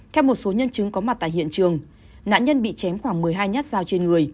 theo một số nhân chứng có mặt tại hiện trường nạn nhân bị chém khoảng một mươi hai nhát dao trên người